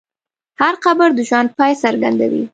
هر قبر د ژوند پای څرګندوي.